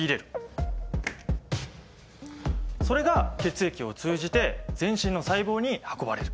それが血液を通じて全身の細胞に運ばれる。